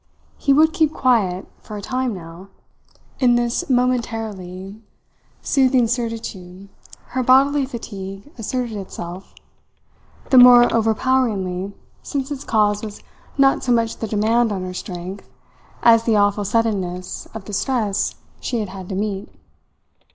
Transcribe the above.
He would keep quiet for a time now. In this momentarily soothing certitude her bodily fatigue asserted itself, the more overpoweringly since its cause was not so much the demand on her strength as the awful suddenness of the stress she had had to meet.